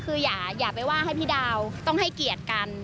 คืออย่าไปว่าให้พี่ดาวต้องให้เกียรติกัน